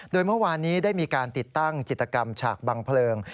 โดยเมื่อวานนี้ได้มีการติดตั้งจิตกรรมฉากบังเพลิง